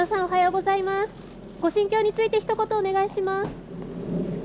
ご心境について、ひと言お願いします。